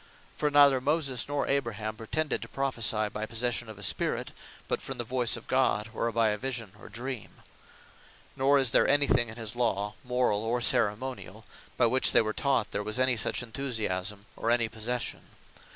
For neither Moses, nor Abraham pretended to Prophecy by possession of a Spirit; but from the voyce of God; or by a Vision or Dream: Nor is there any thing in his Law, Morall, or Ceremoniall, by which they were taught, there was any such Enthusiasme; or any Possession.